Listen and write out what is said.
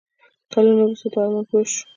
کلونه وروسته دا ارمان پوره شو.